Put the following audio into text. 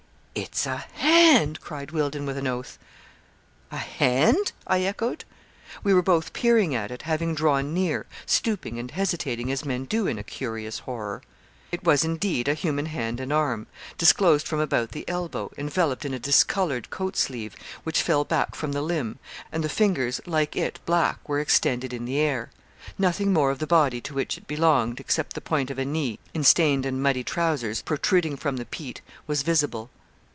'It's a hand!' cried Wealdon, with an oath. 'A hand?' I echoed. We were both peering at it, having drawn near, stooping and hesitating as men do in a curious horror. It was, indeed, a human hand and arm, disclosed from about the elbow, enveloped in a discoloured coat sleeve, which fell back from the limb, and the fingers, like it black, were extended in the air. Nothing more of the body to which it belonged, except the point of a knee, in stained and muddy trousers, protruding from the peat, was visible.